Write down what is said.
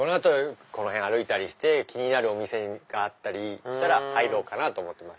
この辺歩いたりして気になるお店があったりしたら入ろうかなと思ってます。